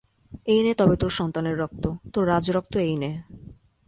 এই নে তবে তোর সন্তানের রক্ত, তোর রাজরক্ত এই নে।